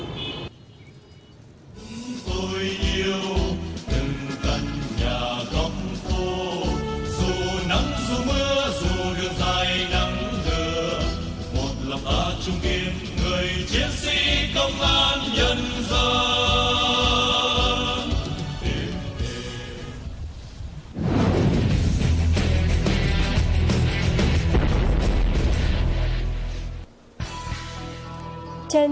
và trung điểm người chiến sĩ công an nhân dân